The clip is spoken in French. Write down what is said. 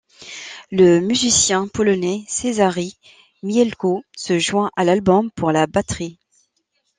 Le musicien polonais Cezary Mielko se joint à l'album pour la batterie.